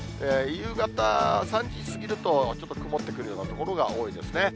夕方３時過ぎると、ちょっと曇ってくるような所が多いですね。